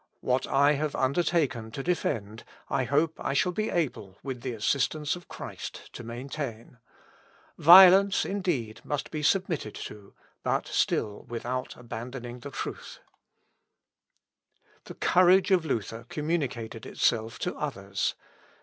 What I have undertaken to defend, I hope I shall be able, with the assistance of Christ, to maintain. Violence, indeed, must be submitted to; but still without abandoning the truth." Luth. Ep. i, p. 139. The courage of Luther communicated itself to others.